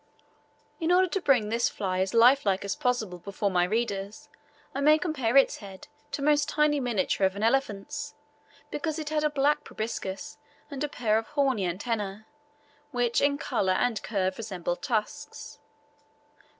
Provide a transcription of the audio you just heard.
In order to bring this fly as life like as possible before my readers, I may compare its head to most tiny miniature of an elephant's, because it has a black proboscis and a pair of horny antennae, which in colour and curve resemble tusks.